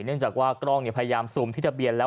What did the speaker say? เนื่องจากว่ากล้องพยายามซูมที่ทะเบียนแล้ว